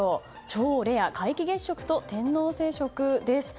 超レア皆既月食と天王星食です。